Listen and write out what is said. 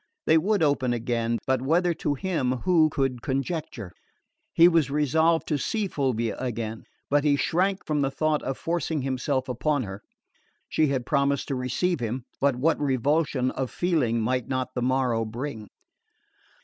They would open again; but whether to him, who could conjecture? He was resolved to see Fulvia again, but he shrank from the thought of forcing himself upon her. She had promised to receive him; but what revulsion of feeling might not the morrow bring?